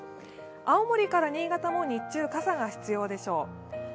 青森から新潟も日中、傘が必要でしょう。